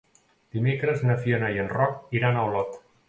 Dimecres na Fiona i en Roc iran a Olot.